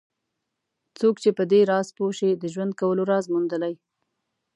څوک چې په دې راز پوه شي د ژوند کولو راز موندلی.